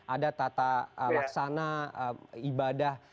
ada tata laksana ibadah